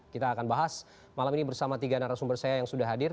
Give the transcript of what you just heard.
kita akan bahas malam ini bersama tiga narasumber saya yang sudah hadir